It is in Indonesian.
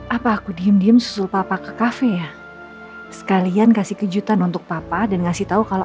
apa aku diem diem susul papa ke kafe ya sekalian kasih kejutan untuk papa dan ngasih tahu kalau